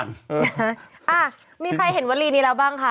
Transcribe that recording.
อ่ะมีใครเห็นวลีนี้แล้วบ้างคะ